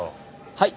はい？